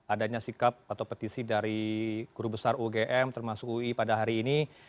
adanya sikap atau petisi dari guru besar ugm termasuk ui pada hari ini